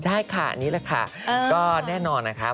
ใช่ค่ะนี่แหละค่ะก็แน่นอนนะคะ